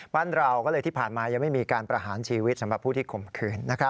บ้านเราก็เลยที่ผ่านมายังไม่มีการประหารชีวิตสำหรับผู้ที่ข่มขืน